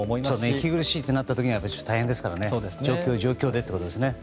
息苦しいとなった時は大変ですから状況、状況でですね。